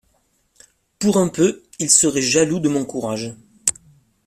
Pour un peu, ils seraient jaloux de mon courage.